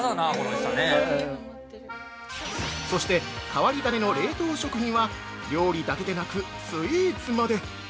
◆そして変わり種の冷凍食品は料理だけでなくスイーツまで。